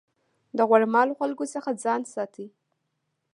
د غوړه مالو خلکو څخه ځان ساتئ.